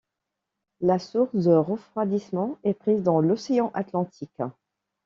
La source de refroidissement est prise dans l'Océan atlantique.